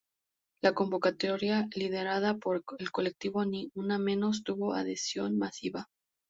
La convocatoria, liderada por el colectivo Ni Una Menos, tuvo adhesión masiva.